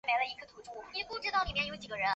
瓦索伊。